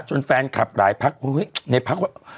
จนแฟนคลับหลายพักโอ้เฮ้ยในพักว่า